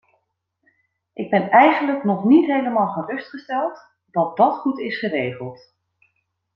Ik ben eigenlijk nog niet helemaal gerustgesteld dat dat goed is geregeld.